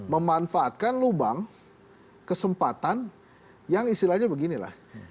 memanfaatkan lubang kesempatan yang istilahnya beginilah